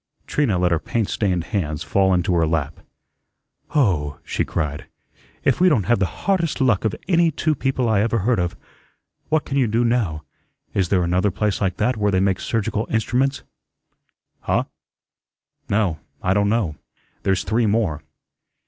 Trina let her paint stained hands fall into her lap. "OH!" she cried. "If we don't have the HARDEST luck of any two people I ever heard of. What can you do now? Is there another place like that where they make surgical instruments?" "Huh? No, I don' know. There's three more."